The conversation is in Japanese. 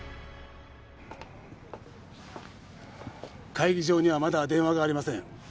会議場にはまだ電話がありません。